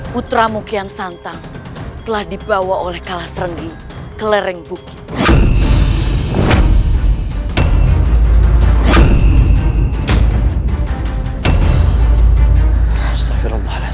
putra mukian santang telah dibawa oleh kalas renggi ke lereng bukit